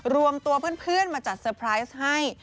รวมตัวเพื่อนมาจัดเตอร์ไพรส์ให้